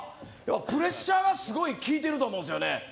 プレッシャーはすごい効いてると思うんですよね。